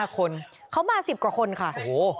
๔๕คนเขามา๑๐กว่าคนค่ะ